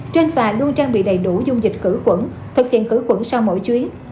trên phà luôn trang bị đầy đủ dung dịch khử quẩn thực hiện khử quẩn sau mỗi chuyến